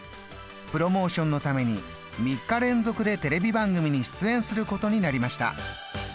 プロモーションのために３日連続でテレビ番組に出演することになりました。